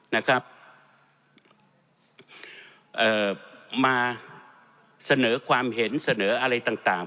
นะครับเอ่อมาเสนอความเห็นเสนออะไรต่างต่าง